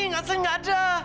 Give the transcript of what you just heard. nggak usah ngada